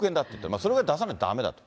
それぐらい出さないとだめだって。